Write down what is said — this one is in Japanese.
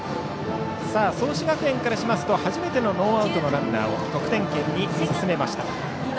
創志学園からしますと初めてのノーアウトのランナーを得点圏に進めました。